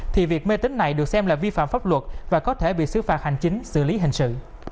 thì việc mê tính này được xem là vi phạm pháp luật và có thể bị xứ phạt hành chính xử lý hình sự